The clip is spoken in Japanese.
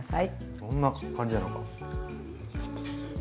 どんな感じなのか。